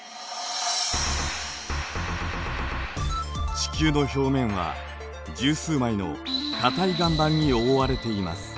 地球の表面は十数枚の硬い岩盤に覆われています。